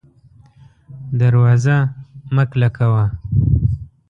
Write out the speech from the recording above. دروازه مه کلکه وه